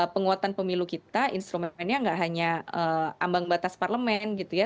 penguatan pemilu kita instrumennya nggak hanya ambang batas parlemen gitu ya